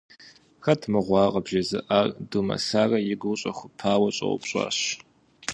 Хэт мыгъуэ ар къыбжезыӀар? – Думэсарэ и гур щӀэхупауэ щӀэупщӀащ.